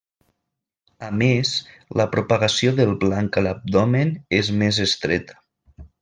A més, la propagació del blanc a l'abdomen és més estreta.